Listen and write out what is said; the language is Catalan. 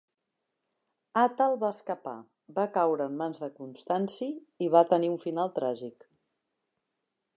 Àtal va escapar, va caure en mans de Constanci i va tenir un final tràgic.